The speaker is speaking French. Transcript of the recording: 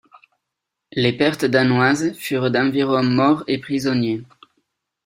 Les pertes danoises furent d'environ morts et prisonniers.